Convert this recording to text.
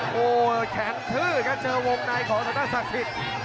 โหแข่งทื้อครับเส้าเราคืมวงนายของศักดิ์สิทธิ์